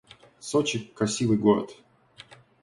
Сочи — красивый город